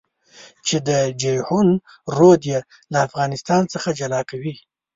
چې د جېحون رود يې له افغانستان څخه جلا کوي.